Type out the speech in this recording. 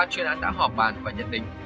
ba chuyên án đã họp bàn và nhận định